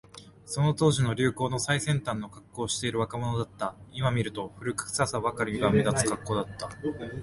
その当時の流行の最先端のカッコをしている若者だった。今見ると、古臭さばかりが目立つカッコだった。